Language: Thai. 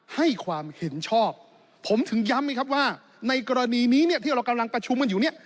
ให้ความเห็นชอบผมถึงย้ำไหมครับว่าในกรณีนี้เนี่ยที่เรากำลังประชุมกันอยู่เนี่ย